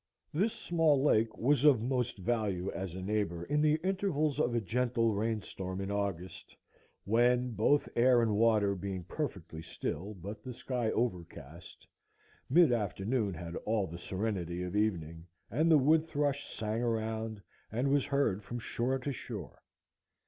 This small lake was of most value as a neighbor in the intervals of a gentle rain storm in August, when, both air and water being perfectly still, but the sky overcast, mid afternoon had all the serenity of evening, and the wood thrush sang around, and was heard from shore to shore.